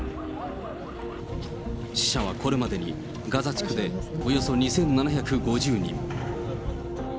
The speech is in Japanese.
死者はこれまでにガザ地区でおよそ２７５０人。